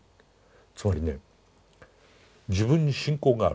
つまりね自分に信仰がある。